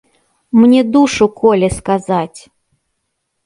Мне душу коле сказаць!